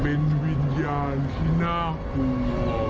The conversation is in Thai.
เป็นวิญญาณที่น่ากลัว